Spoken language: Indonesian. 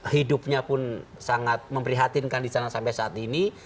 hidupnya pun sangat memprihatinkan di sana sampai saat ini